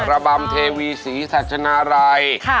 ระบำเทวีสีสัททนารัย